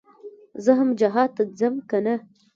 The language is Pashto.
زه هم جهاد ته ځم كنه.